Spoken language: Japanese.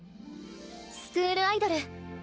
スクールアイドル。